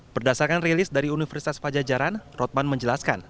berdasarkan rilis dari universitas pajajaran rotman menjelaskan